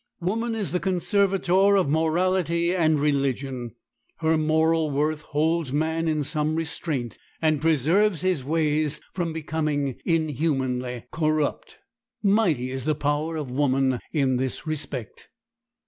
Woman is the conservator of morality and religion. Her moral worth holds man in some restraint, and preserves his ways from becoming inhumanly corrupt. Mighty is the power of woman in this respect.